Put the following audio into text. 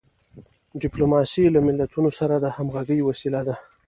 ډیپلوماسي له ملتونو سره د همږغی وسیله ده.